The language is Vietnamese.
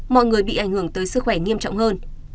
mọi người bị ảnh hưởng tới sức khỏe nghiêm trọng hơn